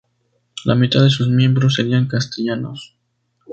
La mitad de sus miembros serían castellanos.